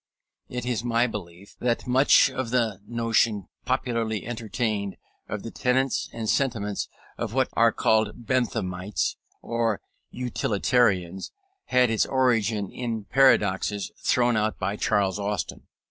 It is my belief that much of the notion popularly entertained of the tenets and sentiments of what are called Benthamites or Utilitarians had its origin in paradoxes thrown out by Charles Austin.